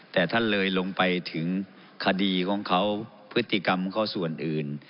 แต่ท่านเลยลงไปถึงคดีของเขาพฤติกรรมเขาส่วนอื่น